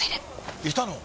いたの？